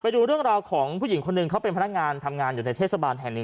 ดูเรื่องราวของผู้หญิงคนหนึ่งเขาเป็นพนักงานทำงานอยู่ในเทศบาลแห่งนี้